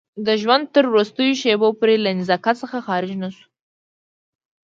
د ژوند تر وروستیو شېبو پورې له نزاکت څخه خارج نه شو.